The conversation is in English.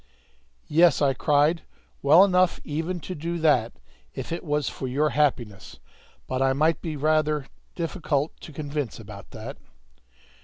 "Yes!" I cried; "well enough even to do that, if it was for your happiness; but I might be rather difficult to convince about that."